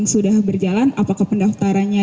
sudah berjalan apakah pendaftarannya